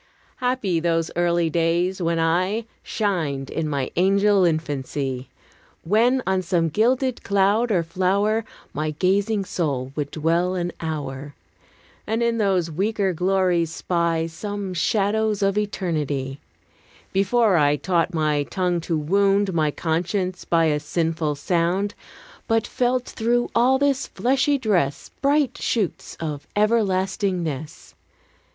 Happy those early days, when I Shined in my angel infancy! When on some gilded cloud or flower My gazing soul would dwell an hour, And in those weaker glories spy Some shadows of eternity: Before I taught my tongue to wound My conscience by a sinful sound; But felt through all this fleshy dress Bright shoots of everlastingness.